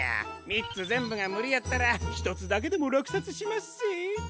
みっつぜんぶがむりやったらひとつだけでもらくさつしまっせ！